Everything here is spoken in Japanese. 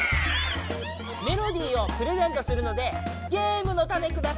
メロディーをプレゼントするのでゲームのタネください！